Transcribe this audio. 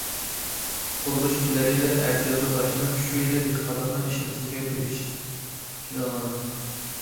قۇرۇلۇش كېلەر يىلى ئەتىيازدا باشلىنىپ، شۇ يىلى دېھقانلارنىڭ ئىشلىتىشىگە بېرىش پىلانلاندى.